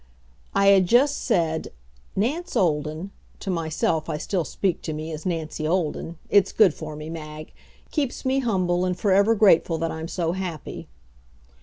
I had just said, "Nance Olden " To myself I still speak to me as Nancy Olden; it's good for me, Mag; keeps me humble and for ever grateful that I'm so happy.